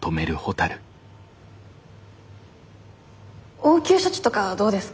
応急処置とかはどうですか？